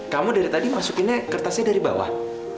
kamu dari tadi masukinnya kertasnya dari bawah